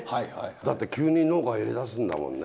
だって急に農家やりだすんだもんね。